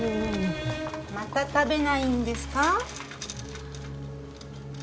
また食べないんですか？